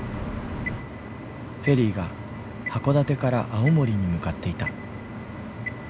フェリーが函館から青森に向かっていた。